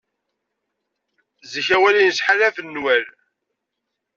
Zik awal-ines ḥala ɣef nnwal.